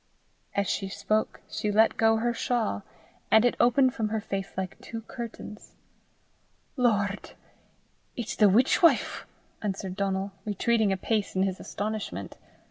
As she spoke she let go her shawl, and it opened from her face like two curtains. "Lord! it's the witch wife!" cried Donal, retreating a pace in his astonishment.